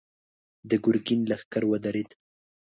د ګرګين لښکر ودرېد.